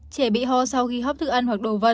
trẻ bị hò sau khi hóp thức ăn hoặc đồ vật